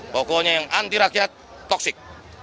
pokoknya yang anti rakyat toksik